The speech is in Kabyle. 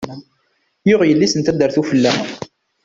Yuɣ yelli-s n taddart ufella.